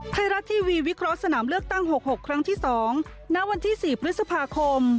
ไทยรัฐทีวีวิเคราะห์สนามเลือกตั้ง๖๖ครั้งที่๒ณวันที่๔พฤษภาคม